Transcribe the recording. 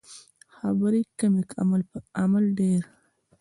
خبرې کمې عمل ډیر